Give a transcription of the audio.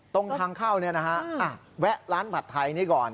ตรงทางเข้านี่นะฮะแวะร้านผัดไทยนี่ก่อน